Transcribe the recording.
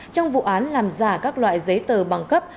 trong vụ án làm giả các loại giấy tờ bằng cấp